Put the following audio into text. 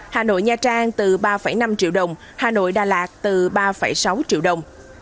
hà nội nha trang từ ba năm triệu đồng hà nội đà lạt từ ba sáu triệu đồng